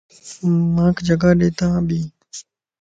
مانک جگاڏيت آن ٻين